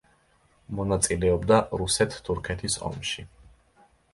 მონაწილეობდა რუსეთ-თურქეთის ომში.